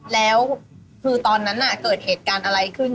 แล้วคือตอนนั้นเกิดเหตุการณ์อะไรขึ้น